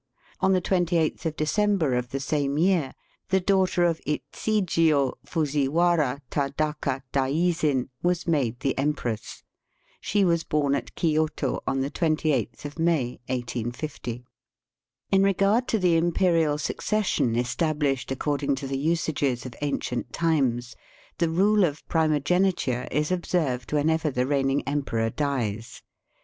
On the 28th of December of the same year, the daughter of Ichijio Fuziwara Tadaka daizin was made the empress. She was bom at Kioto on the 28th of May, 1860. In regard to the imperial succession estabhshed according to the usages of ancient times, the rule of primogeniture is observed whenever the reigning emperor dies.